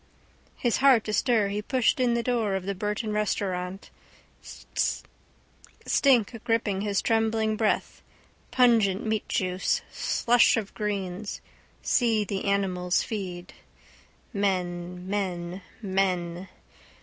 His heart astir he pushed in the door of the Burton restaurant. Stink gripped his trembling breath: pungent meatjuice, slush of greens. See the animals feed. Men, men, men.